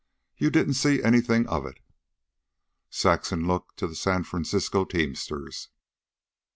"You didn't see anything of it." Saxon looked to the San Francisco teamsters.